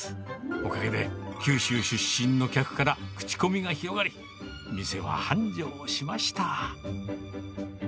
おかげで九州出身の客から口コミが広がり、店は繁盛しました。